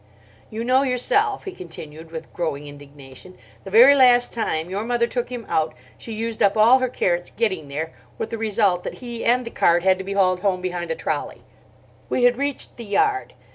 "You know yourself," he continued with growing indignation, "the very last time your mother took him out she used up all her carrots getting there, with the result that he and the cart had to be hauled home behind a trolley." We had reached the yard.